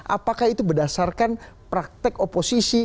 apakah itu berdasarkan praktek oposisi